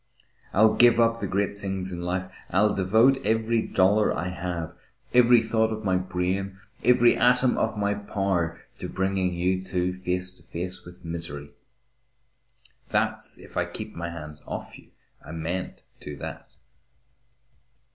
I'll give up the great things in life. I'll devote every dollar I have, every thought of my brain, every atom of my power, to bringing you two face to face with misery. That's if I keep my hands off you. I mayn't do that."